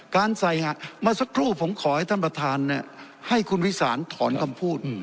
การใส่งานมาสักครู่ผมขอให้ท่านประธานเนี่ยให้คุณวิสารถอนคำพูด